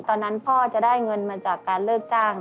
ตอนนั้นพ่อจะได้เงินมาจากการเลิกจ้าง